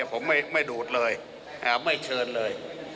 ผมไม่ดูดเลยไม่เชิญเลย